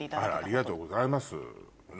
ありがとうございます。